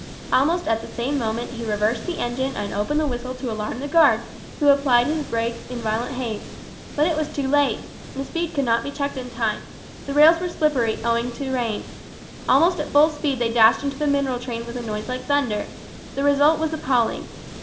Almost at the same moment he reversed the engine and opened the whistle to alarm the guard, who applied his brakes in violent haste. But it was too late. The speed could not be checked in time. The rails were slippery, owing to rain. Almost at full speed they dashed into the mineral train with a noise like thunder. The result was appalling.